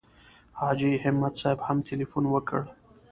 حاجي همت صاحب هم تیلفون وکړ.